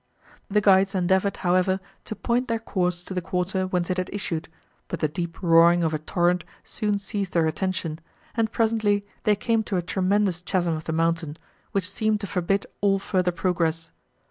The guides endeavoured, however, to point their course to the quarter, whence it had issued, but the deep roaring of a torrent soon seized their attention, and presently they came to a tremendous chasm of the mountain, which seemed to forbid all further progress.